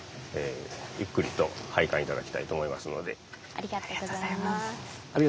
ありがとうございます。